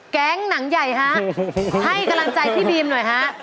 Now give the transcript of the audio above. แก๊งหนังใหญ่ให้กำลังใจพี่บีมหน่อยครับ